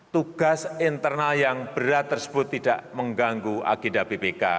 tugas internal yang berat tersebut tidak mengganggu agenda bpk